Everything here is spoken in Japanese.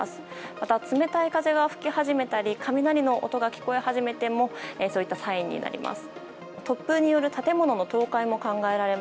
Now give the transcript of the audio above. また、冷たい風が吹き始めたり雷の音が聞こえ始めてもそういったサインになります。